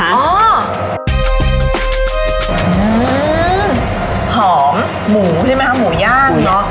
หอมหูใช่มั้ยหัวหมูย่างเนอะ